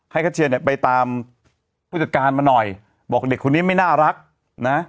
คัชเชียร์เนี่ยไปตามผู้จัดการมาหน่อยบอกเด็กคนนี้ไม่น่ารักนะ